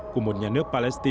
của một nhà nước palestine